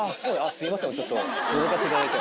すいませんちょっとのぞかせていただいて。